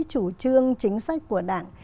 chủ trương chính sách của đảng